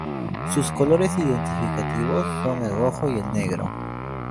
Sus colores identificativos son el rojo y el negro.